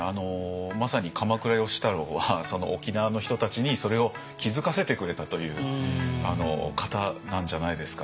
まさに鎌倉芳太郎は沖縄の人たちにそれを気づかせてくれたという方なんじゃないですかね。